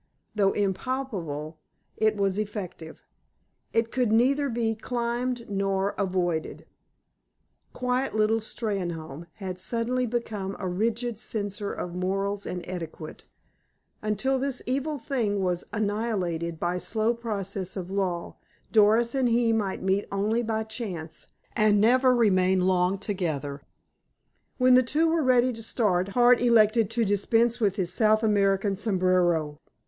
Though impalpable, it was effective. It could neither be climbed nor avoided. Quiet little Steynholme had suddenly become a rigid censor of morals and etiquette. Until this evil thing was annihilated by slow process of law, Doris and he might meet only by chance and never remain long together. When the two were ready to start, Hart elected to dispense with his South American sombrero.